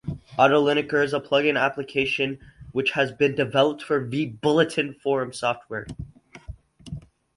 AutoLinker is a plugin application which has been developed for vBulletin forum software.